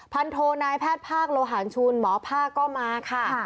โทนายแพทย์ภาคโลหารชุนหมอภาคก็มาค่ะ